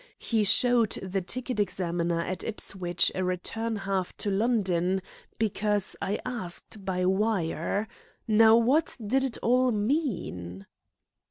He showed the ticket examiner at Ipswich a return half to London, because I asked by wire. Now what did it all mean?"